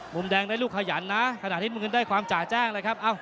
มุมแดงได้ลูกขยันนะขณะที่เมืองได้ความจ่าแจ้งเลยครับ